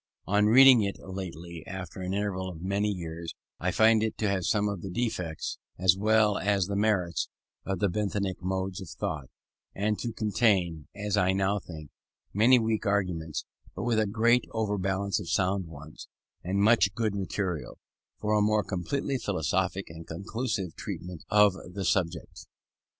On reading it lately after an interval of many years, I find it to have some of the defects as well as the merits of the Benthamic modes of thought, and to contain, as I now think, many weak arguments, but with a great overbalance of sound ones, and much good material for a more completely philosophic and conclusive treatment of the subject.